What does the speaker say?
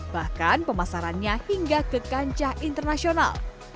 bahkan pemasarannya hingga ke kancah internasional